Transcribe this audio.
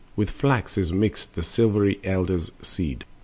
With flax is mixed the silvery elder's seed.